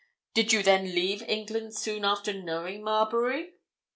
Did you then leave England soon after knowing Marbury?"